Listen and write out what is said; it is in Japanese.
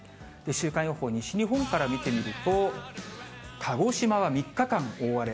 週間予報、西日本から見てみると、鹿児島は３日間大荒れ。